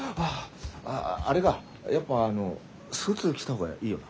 あああれかやっぱあのスーツ着た方がいいよな？